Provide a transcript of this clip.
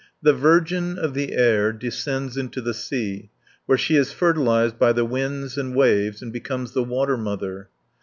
The Virgin of the Air descends into the sea, where she is fertilized by the winds and waves and becomes the Water Mother (103 176).